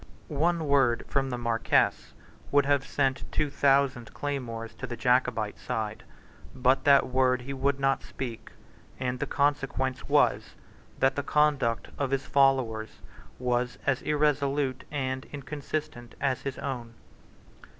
One word from the Marquess would have sent two thousand claymores to the Jacobite side. But that word he would not speak; and the consequence was, that the conduct of his followers was as irresolute and inconsistent as his own.